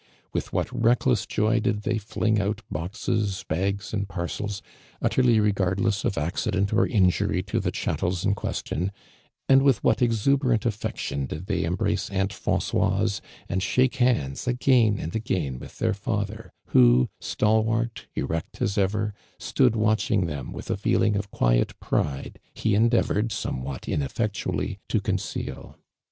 With what reckless joy did they fling out boxes, bags and parcels, utterly regard less of accident or injury to the chatteLs in question; and with what exuberant atiec tion did thoy embrace Aunt Francoise, and shake hinds, again and again, with their 24 ARMAND DURAND. lather, who, stalwart, nvect as evei', stood watching tliem witlia feeling of quiot pride }io endeavored, somewhat ineffectually, to conceal.